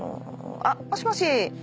あっもしもし